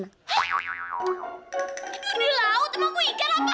hah tidur di laut emang aku ikan apa